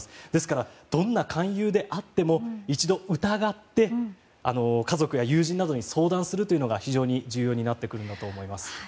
ですからどんな勧誘であっても一度疑って家族や友人などに相談するのが非常に重要になってくるんだと思います。